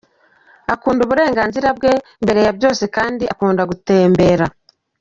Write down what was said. Akunda uburenganzira bwe mbere ya byose kandi akunda gutembera.